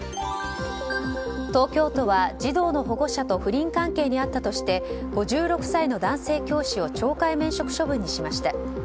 東京都は児童の保護者と不倫関係にあったとして５６歳の男性教師を懲戒免職処分にしました。